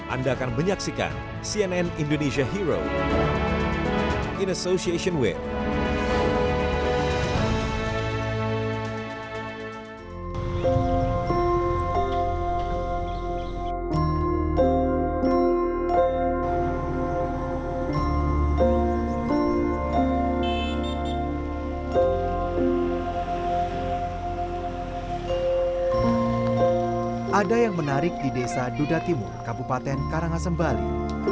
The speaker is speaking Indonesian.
ada yang menarik di desa dudatimu kabupaten karangasembali